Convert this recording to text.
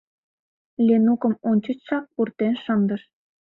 Ленукым ончычшак пуртен шындыш.